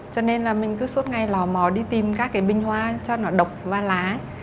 cho nên là mình cứ suốt ngày lò mò đi tìm các cái bình hoa cho nó độc và lá